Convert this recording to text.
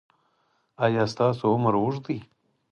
ایا ستاسو عمر اوږد دی؟